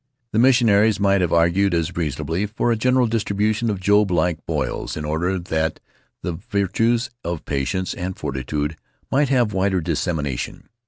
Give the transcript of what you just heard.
The missionaries might have argued as reasonably for a general distribution of Job like boils, in order that the virtues of patience and fortitude might have wider dissemination.